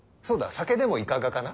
酒でもいかがかな。